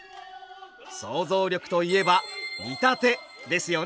想像力といえば「見立て」ですよね